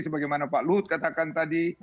sebagaimana pak luhut katakan tadi